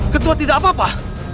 ketua tidak apa apa